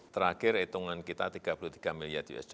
terakhir hitungan kita tiga puluh tiga miliar usd